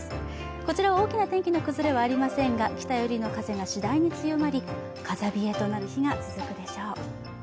こちらは大きな転機の崩れはありませんが北寄りの風がしだいに強まり風冷えとなる日が続くでしょう。